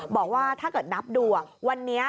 บอกว่าถ้าเกิดนับดูวันนี้